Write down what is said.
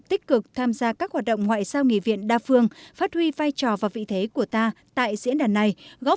tích cực tham gia các hoạt động ngoại giao nghị viện đa phương phát huy vai trò và vị thế của ta tại diễn đàn này